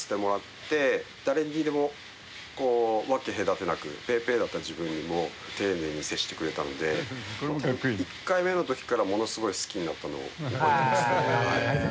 誰にでも分け隔てなくぺーぺーだった自分にも丁寧に接してくれたので１回目の時からものすごい好きになったのを覚えていますね。